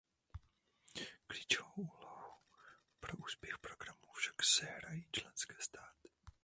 Klíčovou úlohu pro úspěch programu však sehrají členské státy.